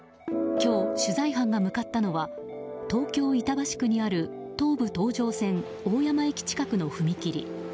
今日、取材班が向かったのは東京・板橋区にある東武東上線大山駅近くの踏切。